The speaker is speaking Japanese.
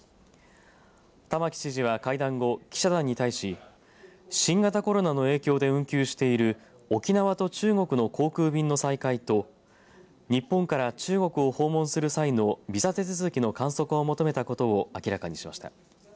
玉城知事は会談後、記者団に対し新型コロナの影響で運休している沖縄と中国の航空便の再開と日本から中国を訪問する際のビザ手続きの簡素化を求めたことを明らかにしました。